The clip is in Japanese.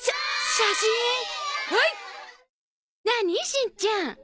しんちゃん。